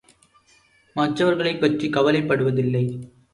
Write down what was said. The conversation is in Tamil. மற்றவர்களைப் பற்றிக் கவலைப்படுவதில்லை!